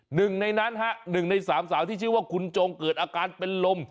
หนึ่งในนั้นฮะหนึ่งในสามสาวที่ชื่อว่าคุณจงเกิดอาการเป็นลม